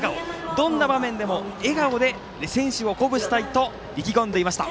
どんな場面でも笑顔で選手を鼓舞したいと意気込んでいました。